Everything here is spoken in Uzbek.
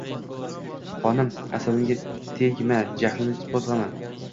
— Xonim, asabimga teg'ma, jahlimni qo'zg'ama!